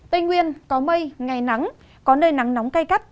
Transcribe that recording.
tây nguyên có mây ngày nắng có nơi nắng nóng cay gắt